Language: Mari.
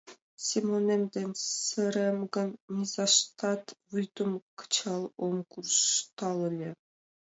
Семонем дене сырем гын, низаштат вӱдым кычал ом куржтал ыле...